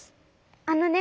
あのね